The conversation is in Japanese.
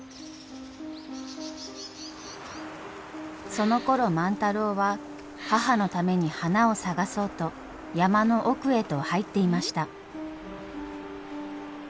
そのころ万太郎は母のために花を探そうと山の奥へと入っていました。